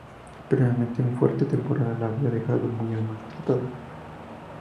Previamente, un fuerte temporal la había dejado muy maltrecha.